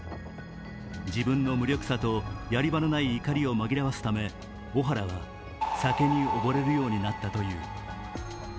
自分の無力さとやり場のない怒りを紛らわすため、小原は酒に溺れるようになったという。